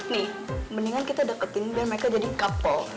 nih mendingan kita deketin biar mereka jadi couple right